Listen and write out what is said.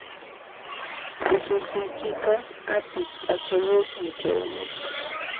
Ususiykiqa api p'achayuqmi chayamusqa.